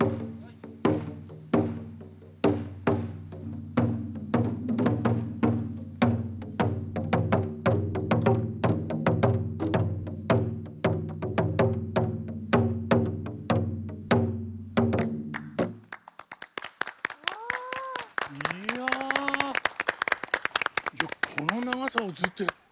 いやこの長さをずっとやる。